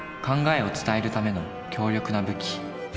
考えを伝えるための強力な武器。